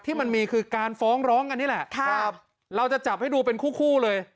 ที่มันมีคือการฟ้องร้องอันนี้แหละเราจะจับให้ดูเป็นคู่เลย